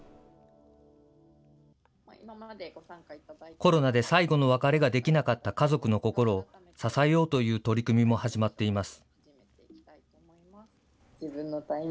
コロナで最期の別れができなかった家族の心を、支えようという取り組みも始まっています。